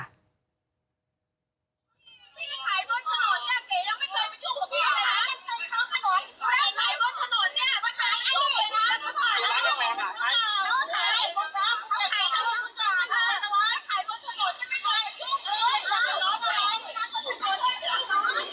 โพสุนะเน่จ๊ะ